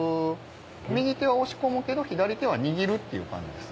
右手は押し込むけど左手は握るっていう感じです。